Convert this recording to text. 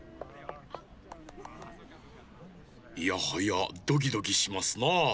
いやはやドキドキしますなあ。